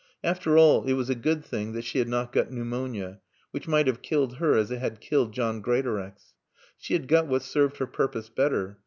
After all, it was a good thing that she had not got pneumonia, which might have killed her as it had killed John Greatorex. She had got what served her purpose better.